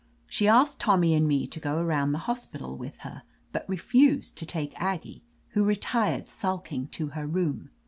She asked Tommy and me to go around the hospital with her, but refused to take Aggie, who retired sulking to her room.